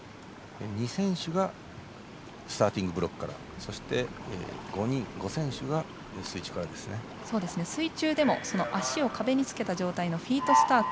２選手がスターティングブロックから水中でも足を壁につけた状態のフィートスタート